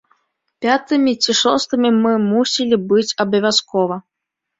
Пятымі ці шостымі мы мусілі быць абавязкова.